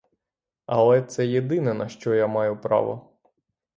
Але це єдине, на що я маю право.